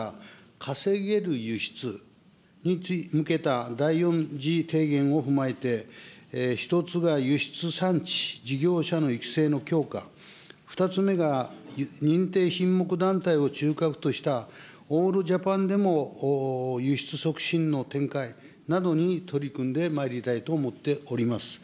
稼げる輸出に向けた第４次提言を踏まえて、１つが輸出産地、事業者の育成の強化、２つ目が、認定品目団体を中核としたオールジャパンでも輸出促進の展開などに取り組んでまいりたいと思っております。